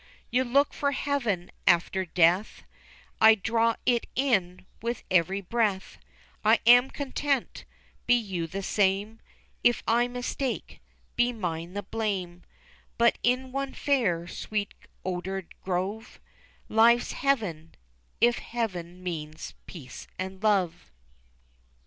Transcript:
You look for heaven after death I draw it in with every breath I am content, be you the same, If I mistake, be mine the blame, But in one fair sweet odored grove Lies heaven, if heaven means peace and love."